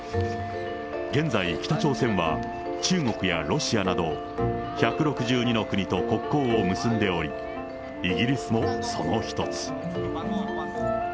現在、北朝鮮は中国やロシアなど、１６２の国と国交を結んでおり、イギリスもその一つ。